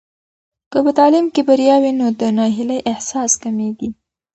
که په تعلیم کې بریا وي، نو د ناهیلۍ احساس کمېږي.